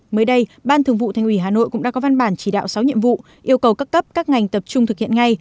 mới đây ban thường vụ thành ủy hà nội cũng đã có văn bản chỉ đạo sáu nhiệm vụ yêu cầu các cấp các ngành tập trung thực hiện ngay